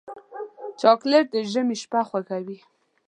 چاکلېټ د ژمي شپه خوږوي.